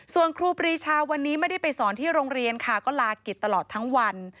ส่วนครูปรีชาวันนี้ไม่ได้ไปสอนที่โรงเรียนค่ะก็ลากิจตลอดทั้งวัน